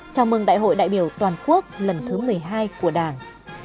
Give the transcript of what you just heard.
chào mừng đại hội đại biểu toàn quốc lần thứ một mươi hai của đảng